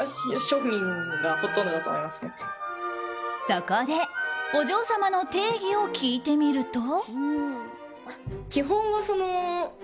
そこでお嬢様の定義を聞いてみると。